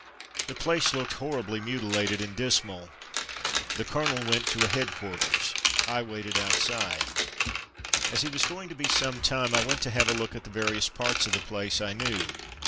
The place looked horribly mutilated and dismal. The colonel went to a headquarters — I waited outside. The Old Fighting Grounds 125 As he was going to be some time I went to have a look at the various parts of the place I knew.